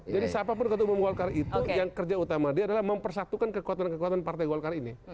jadi siapapun ketua umum golkar itu yang kerja utama dia adalah mempersatukan kekuatan kekuatan partai golkar ini